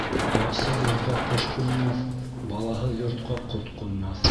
Ағасһыҙ йортҡа ҡош ҡунмаҫ, балаһыҙ йортҡа ҡот ҡунмаҫ.